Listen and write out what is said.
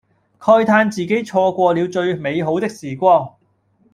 慨嘆自己錯過了最美好的時光